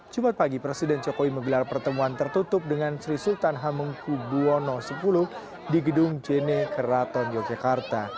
jumat pagi presiden jokowi menggelar pertemuan tertutup dengan sri sultan hamengku buwono x di gedung jne keraton yogyakarta